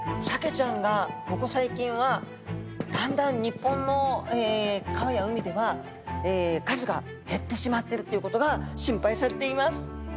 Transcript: サケちゃんがここ最近はだんだん日本の川や海では数が減ってしまってるっていうことが心配されています。